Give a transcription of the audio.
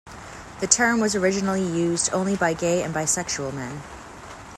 The term was originally used only by gay and bisexual men.